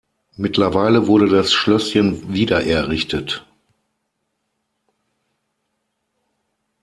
Mittlerweile wurde das Schlösschen wiedererrichtet.